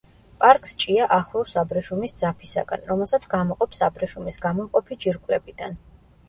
პარკს ჭია ახვევს აბრეშუმის ძაფისაგან, რომელსაც გამოყოფს აბრეშუმის გამომყოფი ჯირკვლებიდან.